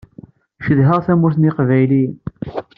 Cedhaɣ tamurt n Yiqbayliyen.